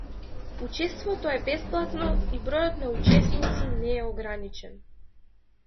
Учеството е бесплатно и бројот на учесници не е ограничен.